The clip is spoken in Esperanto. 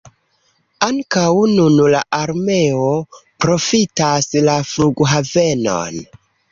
Ankaŭ nun la armeo profitas la flughavenon.